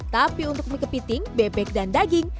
tapi untuk mie kepiting bebek dan daging